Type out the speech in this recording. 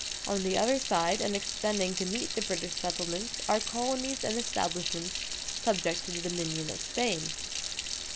On the other side, and extending to meet the British settlements, are colonies and establishments subject to the dominion of Spain.